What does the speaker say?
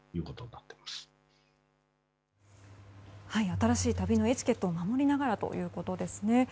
「新しい旅のエチケット」を守りながらということですね。